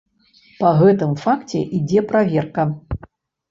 Па гэтым факце ідзе праверка.